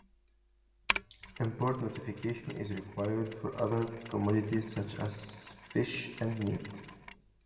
Import notification is required for other commodities such as fish and meat.